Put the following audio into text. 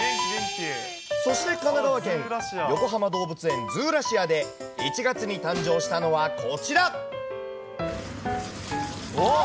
そして神奈川県よこはま動物園ズーラシアで１月に誕生したのはこちら。